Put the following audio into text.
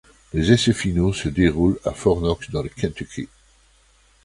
Les essais finaux se déroulent à Fort Knox dans le Kentucky.